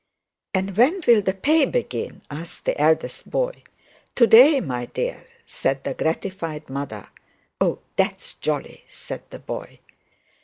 'And when will the pay begin?' asked the eldest boy. 'To day, my dear,' said the gratified mother. 'Oh, that is jolly,' said the boy.